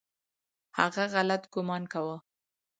هغه غلط ګومان کاوه .